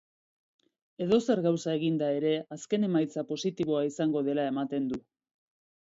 Edozer gauza eginda ere azken emaitza positiboa izango dela ematen du.